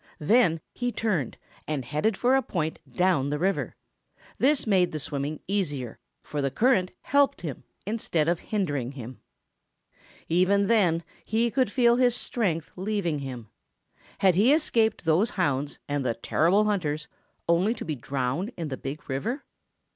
Then he turned and headed for a point down the Big River. This made the swimming easier, for the current helped him instead of hindering him. Even then he could feel his strength leaving him. Had he escaped those hounds and the terrible hunters only to be drowned in the Big River?